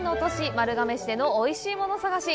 丸亀市でのおいしいもの探し。